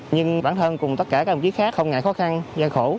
nhưng bản thân cùng tất cả các đồng chí khác không ngại khó khăn gian khổ